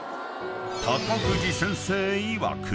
［高藤先生いわく